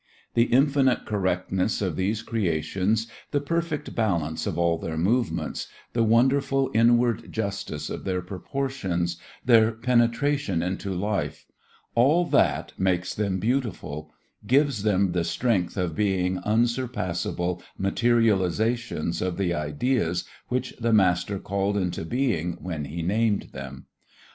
The infinite correctness of these creations, the perfect balance of all their movements, the wonderful inward justice of their proportions, their penetration into life all that makes them beautiful gives them the strength of being unsurpassable materializations of the ideas which the master called into being when he named them.